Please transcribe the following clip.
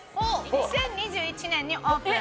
２０２１年にオープン。